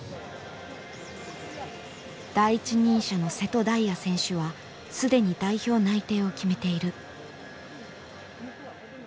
第一人者の瀬戸大也選手は既に代表内定を決めている。